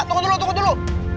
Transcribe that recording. tunggu dulu tunggu dulu